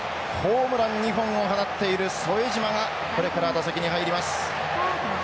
ホームラン２本を放っている副島がこれから打席に入ります。